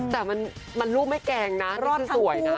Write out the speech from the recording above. แต่มันรูปไม่แกล้งนะรอดทั้งคู่ค่ะ